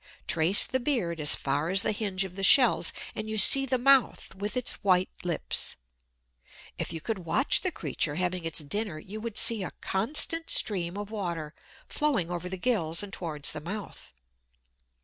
Trace the "beard" as far as the hinge of the shells, and you see the mouth with its white lips. If you could watch the creature having its dinner, you would see a constant stream of water flowing over the gills and towards the mouth.